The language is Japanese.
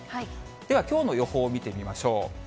ではきょうの予報見てみましょう。